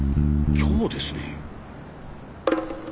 今日ですね。